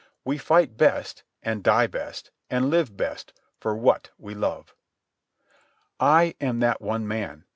We fight best, and die best, and live best, for what we love. I am that one man.